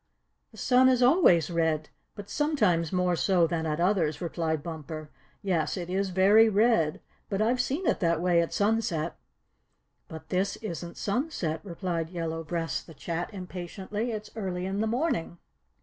"The sun is always red, but sometimes more so than at others," replied Bumper. "Yes, it is very red, but I've seen it that way at sunset." "But this isn't sunset," replied Yellow Breast the Chat a little impatiently. "It's early in the morning."